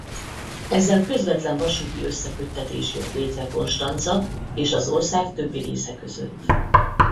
Ezzel közvetlen vasúti összeköttetés jött létre Konstanca és az ország többi része között.